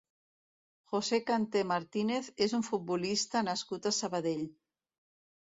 José Kanté Martínez és un futbolista nascut a Sabadell.